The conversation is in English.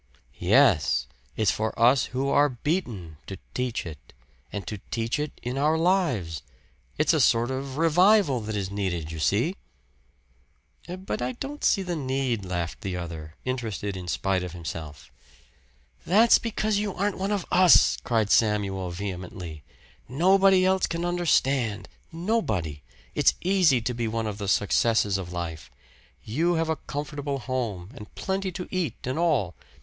"Yes it's for us who are beaten to teach it; and to teach it in our lives. It's a sort of revival that is needed, you see." "But I don't see the need," laughed the other, interested in spite of himself. "That's because you aren't one of us!" cried Samuel vehemently. "Nobody else can understand nobody! It's easy to be one of the successes of life. You have a comfortable home and plenty to eat and all.